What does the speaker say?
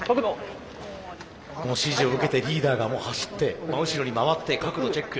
指示を受けてリーダーがもう走って真後ろに回って角度チェック。